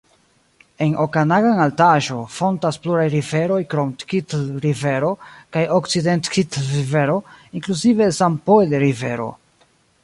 En Okanagan-Altaĵo fontas pluraj riveroj krom Kitl-Rivero kaj Okcident-Kitl-Rivero, inkluzive Sanpojl-Rivero.